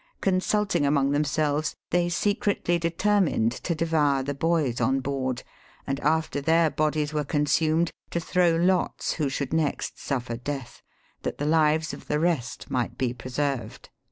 Consulting among themselves, they secretly determined to devour the boys on board, and after their bodies were consumed, to throw lots who should next suffer death, that the lives of the rest might be preserved."